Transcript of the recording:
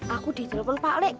aku ditelpon pak lek